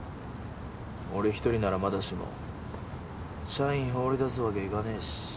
俺１人ならまだしも社員放り出すわけいかねぇし。